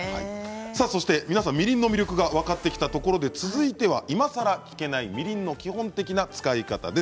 みりんの魅力が分かってきたところで続いてはいまさら聞けないみりんの基本的な使い方です。